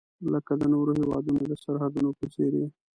لکه د نورو هیوادونو د سرحدونو په څیر یې.